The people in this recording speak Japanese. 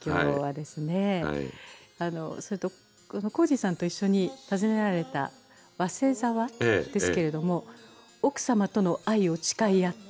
それと宏司さんと一緒に訪ねられた早稲沢ですけれども奥様との愛を誓い合った。